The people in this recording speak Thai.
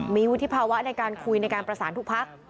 มีวุฒิภาวะในการคุยในการประสานทุกพัก